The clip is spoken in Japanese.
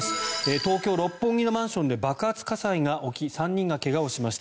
東京・六本木のマンションで爆発火災が起き３人が怪我をしました。